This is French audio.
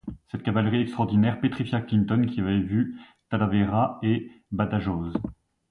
Cette cavalerie extraordinaire pétrifia Clinton qui avait vu Talavera et Badajoz.